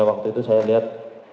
waktu itu saya lihat